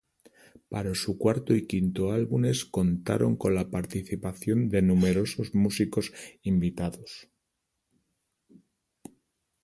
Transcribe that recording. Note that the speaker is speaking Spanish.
Para su cuarto y quinto álbumes contaron con la participación de numerosos músicos invitados.